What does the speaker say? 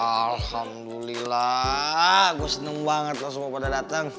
alhamdulillah gue senang banget lo semua pada datang